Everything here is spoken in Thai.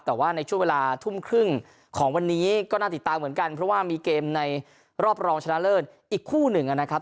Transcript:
แต่ว่าในช่วงเวลาทุ่มครึ่งของวันนี้ก็น่าติดตามเหมือนกันเพราะว่ามีเกมในรอบรองชนะเลิศอีกคู่หนึ่งนะครับ